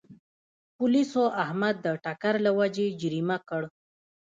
پولیسو احمد د ټکر له وجې جریمه کړ.